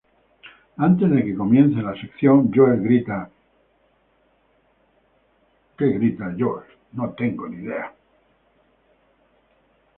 Antes de que comience la sección Joel grita "It´s Reality Show Clip Time!